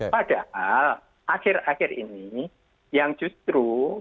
padahal akhir akhir ini yang justru mendominasi pembicaraan ini adalah